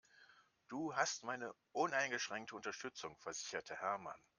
Du hast meine uneingeschränkte Unterstützung, versicherte Hermann.